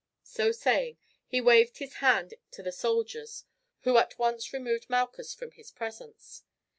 So saying he waved his hand to the soldiers, who at once removed Malchus from his presence.